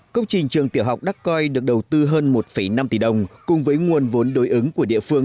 công trình trường tiểu học đắc coi được đầu tư hơn một năm tỷ đồng cùng với nguồn vốn đối ứng của địa phương